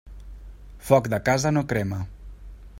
Foc de casa no crema.